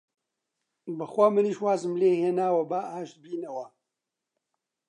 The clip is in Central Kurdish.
بەخوا منیش وازم لێ هێناوە، با ئاشت بینەوە!